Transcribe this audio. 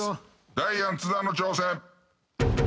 ダイアン津田の挑戦。